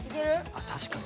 あ確かに。